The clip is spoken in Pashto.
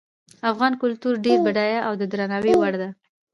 افغان کلتور ډیر بډایه او د درناوي وړ ده